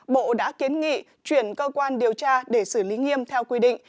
bộ đã kiến nghị chuyển cơ quan điều tra để xử lý nghiêm theo quy định